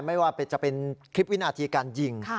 ไม่ว่าจะเป็นคลิปวินาทีการยิง